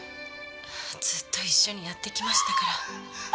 ずっと一緒にやってきましたから。